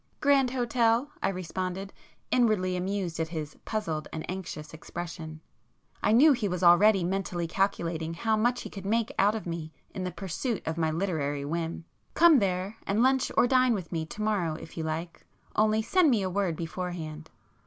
"Grand Hotel," I responded, inwardly amused at his puzzled and anxious expression—I knew he was already mentally calculating how much he could make out of me in the pursuit of my literary whim—"Come there, and lunch or dine with me to morrow if you like—only send me a word beforehand.